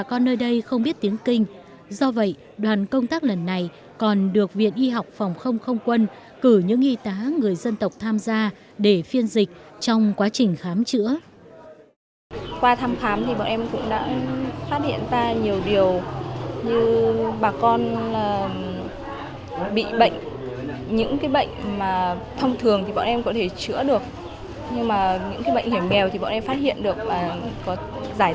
chủ cán bộ y bác sĩ viện y học phòng không không quân đã vượt núi băng ngàn ngược dòng sông mường lát tỉnh thanh hóa